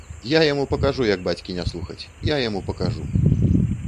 Я яму пакажу, як бацькі не слухаць, я яму пакажу!